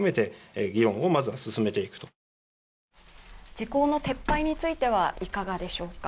時効の撤廃についてはいかがでしょうか？